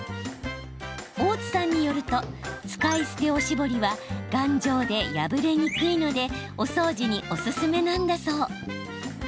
大津さんによると使い捨ておしぼりは頑丈で破れにくいのでお掃除におすすめなんだそう。